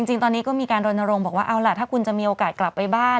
จริงตอนนี้ก็มีการรณรงค์บอกว่าเอาล่ะถ้าคุณจะมีโอกาสกลับไปบ้าน